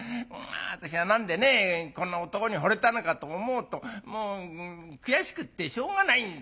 私は何でねこんな男にほれたのかと思うともう悔しくってしょうがないんだよ。